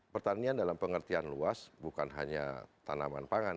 pertanian dalam pengertian luas bukan hanya tanaman pangan